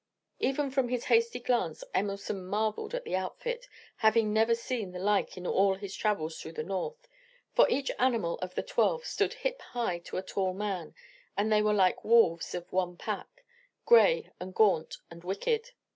Even from his hasty glance Emerson marvelled at the outfit, having never seen the like in all his travels through the North, for each animal of the twelve stood hip high to a tall man, and they were like wolves of one pack, gray and gaunt and wicked.